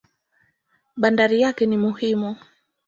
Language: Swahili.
Bandari yake ni muhimu.